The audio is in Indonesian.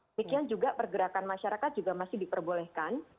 demikian juga pergerakan masyarakat juga masih diperbolehkan